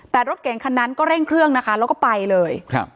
แต่รถเก่งคันนั้นก็เร่งเครื่องนะคะแล้วก็ไปเลยครับ